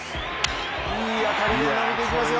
いい当たりで伸びていきますよ。